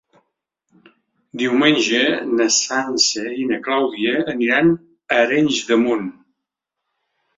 Diumenge na Sança i na Clàudia aniran a Arenys de Munt.